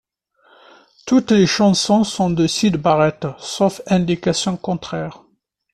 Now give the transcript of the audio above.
Toutes les chansons sont de Syd Barrett, sauf indication contraire.